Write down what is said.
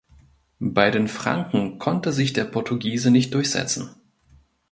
Bei den Franken konnte sich der Portugiese nicht durchsetzen.